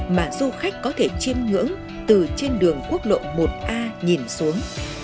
mà du khách có thể chiêm ngưỡng từ trên đường quốc lộ một a nhìn xuống